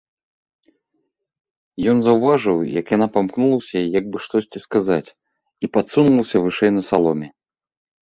Ён заўважыў, як яна памкнулася як бы штосьці сказаць і падсунулася вышэй на саломе.